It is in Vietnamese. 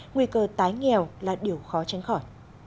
nguy cơ tái nghèo là điều khó tránh khỏi